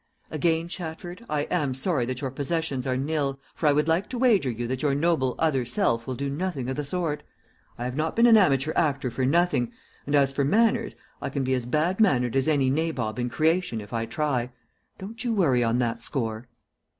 "Again, Chatford, I am sorry that your possessions are nil, for I would like to wager you that your noble other self will do nothing of the sort. I have not been an amateur actor for nothing, and as for manners I can be as bad mannered as any nabob in creation if I try. Don't you worry on that score."